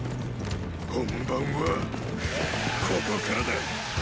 本番はーーここからだ！